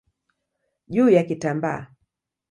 juu ya kitambaa.